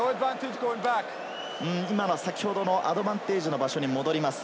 先ほどのアドバンテージの場所に戻ります。